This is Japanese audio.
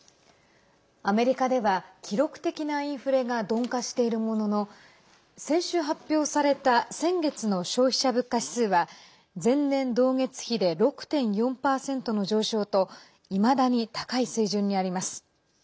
アメリカでは記録的なインフレが鈍化しているものの先週発表された先月の消費者物価指数は前年同月比で６．４％の上昇といまだに高い水準にあります。